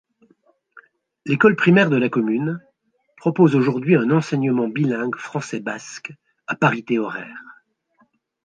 L'école primaire de la commune propose aujourd'hui un enseignement bilingue français-basque à parité horaire.